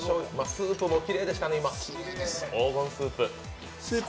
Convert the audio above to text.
スープもきれいでしたね、今黄金スープ。